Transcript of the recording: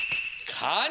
カニ。